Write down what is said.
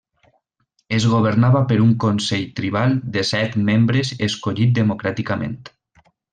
És governada per un consell tribal de set membres escollit democràticament.